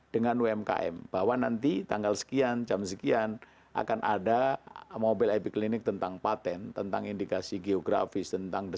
kenapa wadid apa yang terjadi